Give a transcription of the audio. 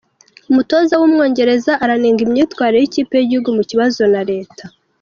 Umutoza wumwongereza aranenga imyitwarire yikipe yigihugu mu kibazo na leta